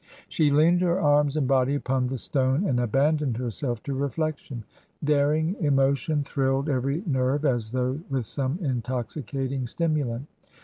She leaned her arms and body upon the stone and abandoned herself to reflection ; daring emotion thrilled every nerve as though with some intoxicating stimulant.